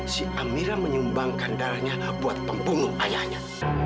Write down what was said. si amira menyumbangkan darahnya buat pembunuh ayahnya